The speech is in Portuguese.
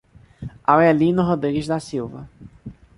Aurelino Rodrigues da Silva